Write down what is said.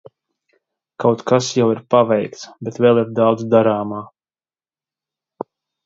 Kaut kas jau ir paveikts, bet vēl ir daudz darāmā.